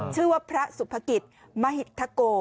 ชื่อว่าพระสุภกิจมหิตธโก